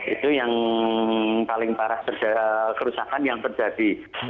itu yang paling parah kerusakan yang terjadi